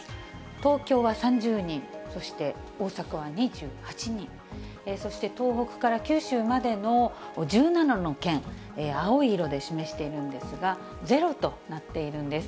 東京は３０人、そして大阪は２８人、そして、東北から九州までの１７の県、青い色で示しているんですが、ゼロとなっているんです。